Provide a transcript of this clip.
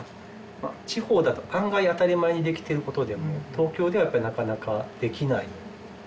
まあ地方だと案外当たり前にできてることでも東京ではやっぱりなかなかできない。